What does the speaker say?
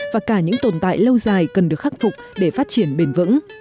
và cả những tồn tại lâu dài cần được khắc phục để phát triển bền vững